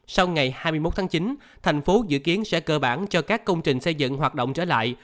sau ngày hai mươi một tháng chín thành phố dự kiến sẽ cơ bản cho các công trình xây dựng hoạt động trở lại